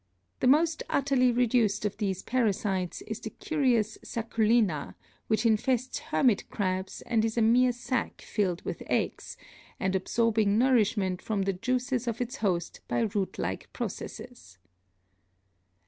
The most utterly reduced of these parasites is the curious Sacculina, which infests hermit crabs and is a mere sac filled with eggs, and absorbing nourishment from the juices of its host by root like processes.